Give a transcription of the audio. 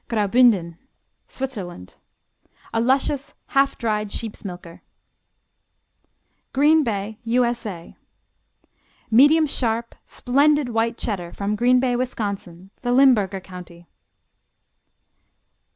Graubünden Switzerland A luscious half dried sheep's milker. Green Bay U.S.A. Medium sharp, splendid White Cheddar from Green Bay, Wisconsin, the Limburger county.